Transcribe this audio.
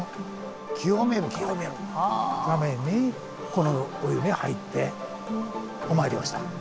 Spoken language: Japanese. ためにこのお湯に入ってお参りをした。